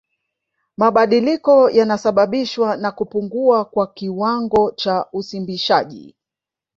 Mabadiliko yanasababishwa na kupungua kwa kiwango cha usimbishaji